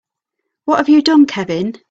What have you done Kevin?